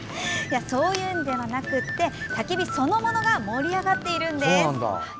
そういうのではなくてたき火そのものが盛り上がっているんです。